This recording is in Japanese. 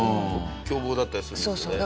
凶暴だったりするんですよね。